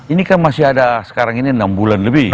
ini kan masih ada sekarang ini enam bulan lebih